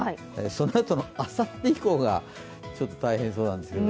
そのあとの、あさって以降がちょっと大変そうなんですが。